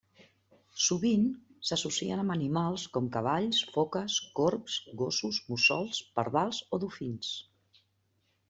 Sovint, s'associen amb animals com cavalls, foques, corbs, gossos, mussols, pardals, o dofins.